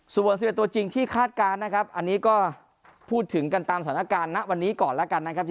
ส่วน๑๑ตัวจริงที่คาดการณ์นะครับอันนี้ก็พูดถึงกันตามสถานการณ์ณวันนี้ก่อนแล้วกันนะครับ